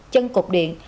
chân cột điện